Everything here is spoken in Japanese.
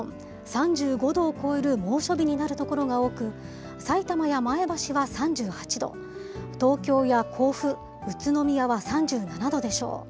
３５度を超える猛暑日になる所が多く、さいたまや前橋は３８度、東京や甲府、宇都宮は３７度でしょう。